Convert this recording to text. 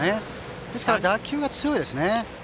ですから打球が強いですね。